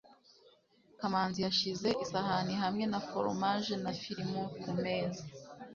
kamanzi yashyize isahani hamwe na foromaje na firimu kumeza